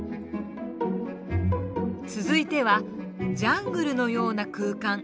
続いてはジャングルのような空間。